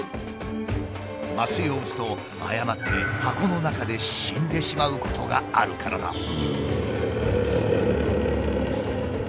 麻酔を打つと誤って箱の中で死んでしまうことがあるからだ。